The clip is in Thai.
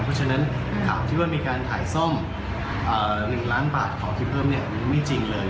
เพราะฉะนั้นข่าวที่ว่ามีการขายซ่อม๑ล้านบาทของที่เพิ่มไม่จริงเลย